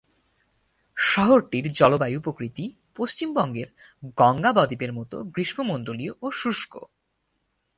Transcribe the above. শহরটির জলবায়ু প্রকৃতি পশ্চিমবঙ্গের গঙ্গা বদ্বীপের মত গ্রীষ্মমন্ডলীয় ও শুষ্ক।